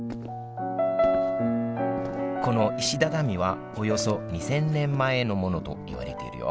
この石畳はおよそ２，０００年前のものといわれているよ